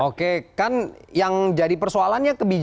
oke kan yang jadi persoalannya kebijakan